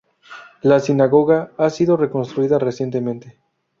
La sinagoga ha sido reconstruida recientemente.